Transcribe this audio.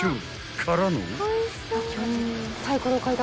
［からの］